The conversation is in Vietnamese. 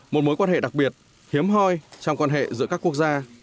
một mối quan hệ đặc biệt hiếm hoi trong quan hệ giữa các quốc gia